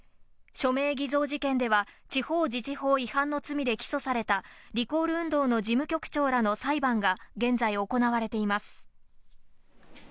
署名偽造事件では、地方自治法違反の罪で起訴された、リコール運動の事務局長らの裁判が現在行われています。